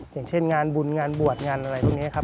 อย่างเช่นงานบุญงานบวชงานอะไรพวกนี้ครับ